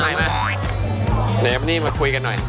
เดี๋ยววันนี้มาคุยกันหน่อย